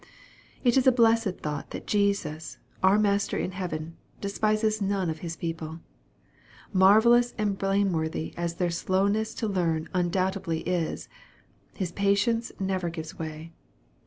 It is a blessed thought that Jesus, our Master in heaven, despises none of His people. Mar vellous and blameworthy as their slowness to learn un doubtedly is, His patience never gives way.